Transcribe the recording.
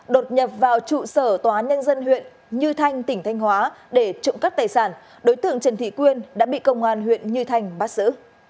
đột nhập vào trụ sở tòa án nhân dân huyện như thanh tỉnh thanh hóa để trộm cắp tài sản đối tượng trần thị quyên đã bị công an huyện như thanh bắt xử